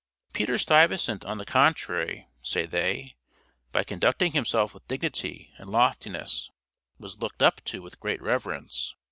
Peter Stuyvesant, on the contrary, say they, by conducting himself with dignity and loftiness, was looked up to with great reverence.